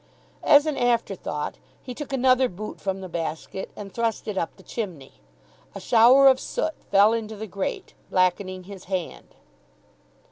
As an after thought he took another boot from the basket, and thrust it up the chimney. A shower of soot fell into the grate, blackening his hand.